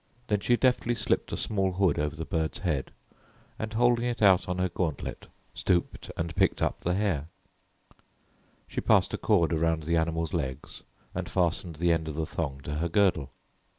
Then she deftly slipped a small hood over the bird's head, and holding it out on her gauntlet, stooped and picked up the hare. She passed a cord about the animal's legs and fastened the end of the thong to her girdle.